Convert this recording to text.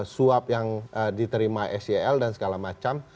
suap yang diterima sel dan segala macam